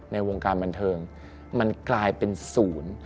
ในวงการบันเทิงมันกลายเป็นศูนย์